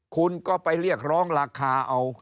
คุณก็ไปเรียกร้องราคาเอา